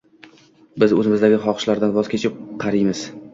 Biz o’zimizdagi xohishlardan voz kechib qariymiz.